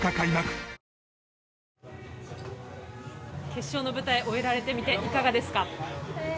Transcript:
決勝の舞台、終えられてみていかがですか？